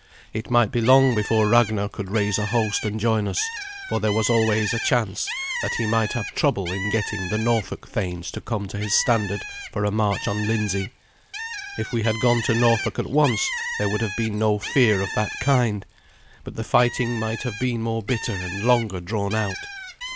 It might be long before Ragnar could raise a host and join us, for there was always a chance that he might have trouble in getting the Norfolk thanes to come to his standard for a march on Lindsey. If we had gone to Norfolk at once there would have been no fear of that kind, but the fighting might have been more bitter and longer drawn out.